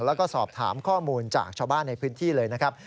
แล้วก็สอบถามข้อมูลจากชาวบ้านในพื้นที่เลยนะครับ